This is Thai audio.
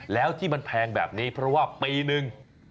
แล้วที่มันแพงแบบนี้เพราะว่าปีนึง